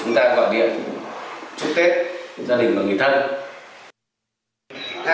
chúng ta gọi điện chúc tết gia đình và người thân